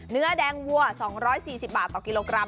เนื้อแดงวัว๒๔๐บาทต่อกิโลกรัม